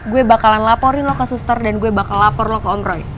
gue bakalan laporin lo ke suster dan gue bakal lapor lo ke omroy